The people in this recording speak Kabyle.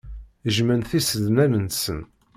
Jjmen tisednan-nsen.